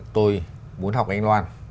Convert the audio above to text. tôi muốn học anh loan